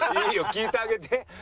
聞いてあげて。